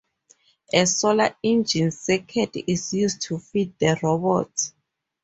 A "Solar Engine" circuit is used to feed the robot.